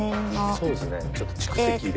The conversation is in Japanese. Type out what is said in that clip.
そうですねちょっと蓄積で。